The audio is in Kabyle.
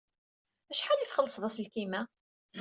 Acḥal ay txellṣed aselkim-a?